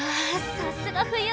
さすが「冬」。